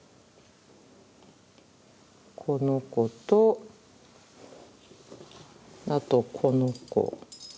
この子とあとこの子。